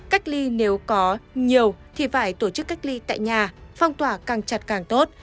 cách ly nếu có nhiều thì phải tổ chức cách ly tại nhà phong tỏa càng chặt càng tốt